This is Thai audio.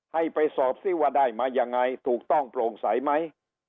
ให้ไปสอบซิว่าได้มายังไงถูกต้องโปร่งใสไหม